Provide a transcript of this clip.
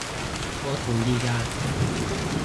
我同意嘅